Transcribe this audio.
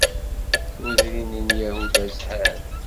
Tudrin n Yahuda zhant.